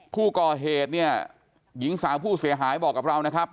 ผู้ก่อเหตุเนี่ยหญิงสาวผู้เสียหายบอกกับเรานะครับ